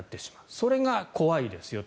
それが怖いですと。